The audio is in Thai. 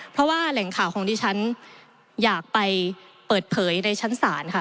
เพราะว่าแหล่งข่าวของดิฉันอยากไปเปิดเผยในชั้นศาลค่ะ